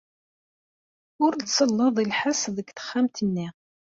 Ur tselleḍ i lḥess deg texxamt-nni.